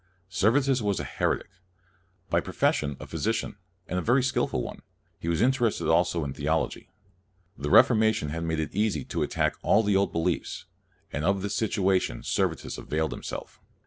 Servetus was a heretic. By profession a physician, and a very skilful one, he was interested also in theology. The Reformation had made it easy to attack all the old beliefs, and of this situation Ser vetus availed himself.